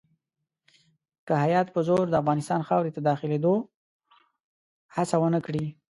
که هیات په زور د افغانستان خاورې ته داخلېدلو هڅه ونه کړي.